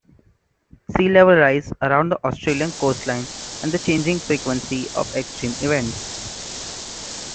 Sea-level rise around the Australian coastline and the changing frequency of extreme events.